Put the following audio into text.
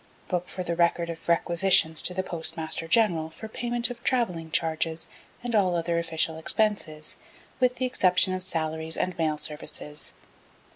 Book for the Record of Requisitions to the Postmaster General for payment of travelling charges and all other official expenses, with the exception of salaries and Mail Services.